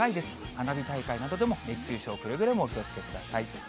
花火大会などでも熱中症、くれぐれもお気をつけください。